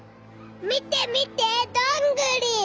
見て見てどんぐり。